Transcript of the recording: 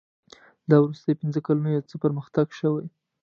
دا وروستي پنځه کلونه یو څه پرمختګ شوی.